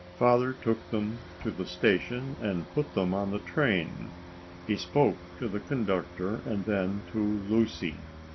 Father took them to the station and put them on the train. He spoke to the conductor and then to Lucy.